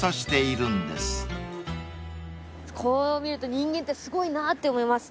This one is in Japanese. こう見ると人間ってすごいなって思いますね。